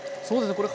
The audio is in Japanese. そうですね